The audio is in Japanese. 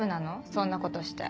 そんなことして。